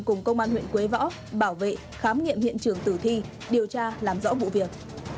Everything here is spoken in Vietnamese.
cùng công an huyện quế võ bảo vệ khám nghiệm hiện trường tử thi điều tra làm rõ vụ việc